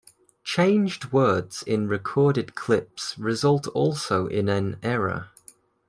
Changed words in recorded clips result also in an error.